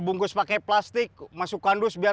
bungkus pakai plastik masukkan dus biar